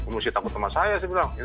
mesti takut sama saya sih bilang